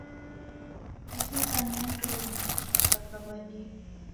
Kuzighane andonyi kakaw'adia